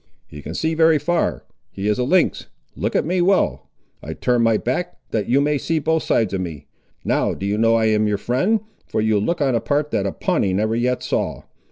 He can see very far. He is a lynx. Look at me well. I will turn my back, that you may see both sides of me. Now do you know I am your friend, for you look on a part that a Pawnee never yet saw.